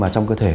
trong cơ thể